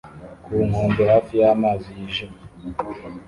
Ku nkombe hafi y'amazi yijimye